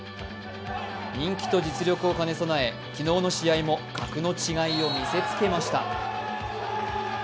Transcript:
人気と実力を兼ね備え昨日の試合も格の違いを見せつけました。